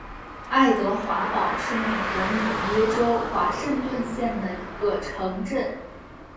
爱德华堡是美国纽约州华盛顿县的一个城镇。